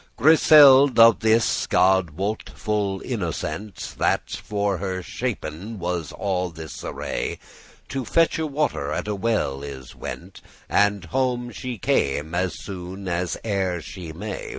Griseld' of this (God wot) full innocent, That for her shapen* was all this array, *prepared To fetche water at a well is went, And home she came as soon as e'er she may.